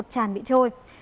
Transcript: một tràn bị trôi